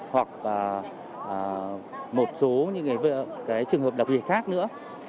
hoặc một số trường hợp đặc biệt khác nữa